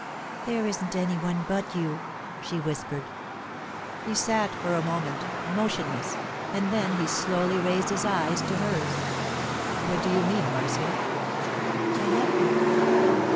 'There isn't any one but you,' she whispered. He sat for a moment, motionless, and then he slowly raised his eyes to hers. 'What do you mean, Marcia?' 'I love you.